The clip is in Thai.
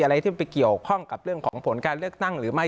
อะไรที่มันไปเกี่ยวข้องกับเรื่องของผลการเลือกตั้งหรือไม่